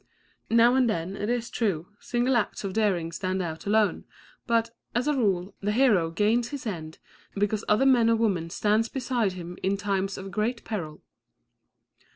Now and then, it is true, single acts of daring stand out alone; but, as a rule, the hero gains his end because other men or women stand beside him in times of great peril.